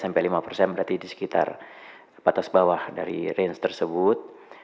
sampai lima persen berarti di sekitar batas bawah dari range tersebut